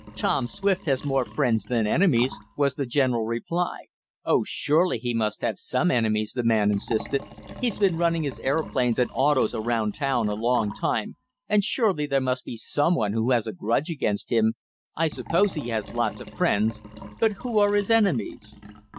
"Tom Swift has more friends than enemies," was the general reply. "Oh, surely he must have some enemies," the man insisted. "He's been running his aeroplanes and autos around town a long time, and surely there must be some one who has a grudge against him. I suppose he has lots of friends, but who are his enemies?"